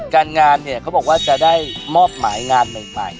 การงานเนี่ยเขาบอกว่าจะได้มอบหมายงานใหม่